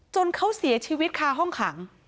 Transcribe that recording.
เขาเสียชีวิตคาห้องขัง